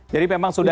jadi memang sudah